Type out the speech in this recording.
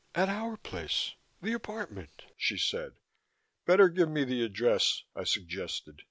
"At our place, the apartment," she said. "Better give me the address," I suggested.